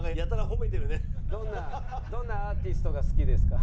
「どんなアーティストが好きですか？」。